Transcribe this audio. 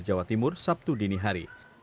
jawa timur sabtu dini hari